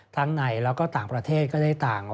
ทั้งในและต่างประเทศก็ได้ต่าง